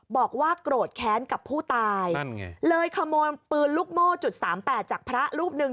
บอกว่าโกรธแค้นกับผู้ตายนั่นไงเลยขโมยปืนลูกโม่จุดสามแปดจากพระรูปหนึ่ง